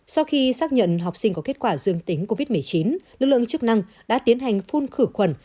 sau khi xác nhận học sinh có kết quả dương tính covid một mươi chín lực lượng chức năng đã tiến hành phun khử khuẩn